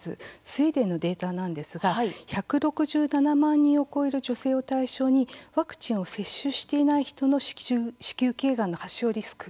スウェーデンのデータなんですが１６７万人を超える女性を対象にワクチンを接種していない人の子宮頸がんの発症リスク